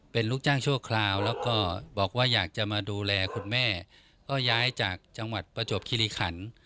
เป็นลูกจ้างชั่วคราวแล้วก็บอกว่าอยากจะมาดูแลคุณแม่ก็ย้ายจากจังหวัดประจวบคิริขัน